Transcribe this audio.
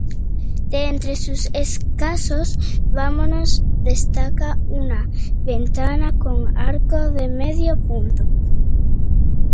De entre sus escasos vanos destaca una ventana con arco de medio punto.